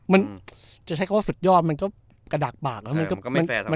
มันจะใช้คำว่าสุดยอดมันก็กระดากบากแล้วมันก็มันก็ไม่แฟร์สำหรับเขา